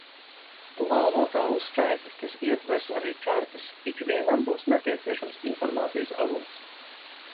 Plānotā uzskaite, kas ietvers arī kartes, ikvienam būs nepieciešams informācijas avots.